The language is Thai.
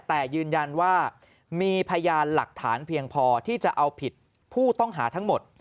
แต่ยืนยันว่ามีพยานหลักฐานเพียงพอที่จะเอาผิดผู้ต้องหาทั้งหมด